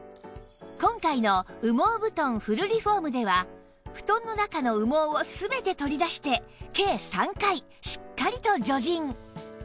今回の羽毛布団フルリフォームでは布団の中の羽毛を全て取り出して計３回しっかりと除塵